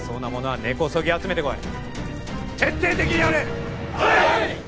はい！